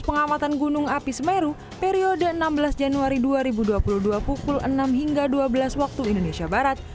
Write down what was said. pengamatan gunung api semeru periode enam belas januari dua ribu dua puluh dua pukul enam hingga dua belas waktu indonesia barat